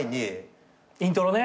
イントロね。